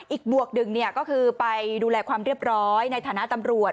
บวกหนึ่งก็คือไปดูแลความเรียบร้อยในฐานะตำรวจ